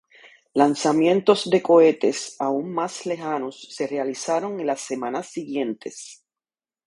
Lanzamientos de cohetes aún más lejanos se realizaron en las semanas siguientes.